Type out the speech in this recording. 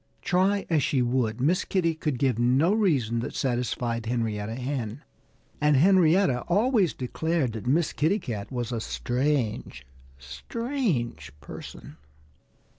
Try as she would, Miss Kitty could give no reason that satisfied Henrietta Hen. And Henrietta always declared that Miss Kitty Cat was a strange, strange person.